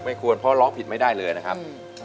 ควรเพราะร้องผิดไม่ได้เลยนะครับ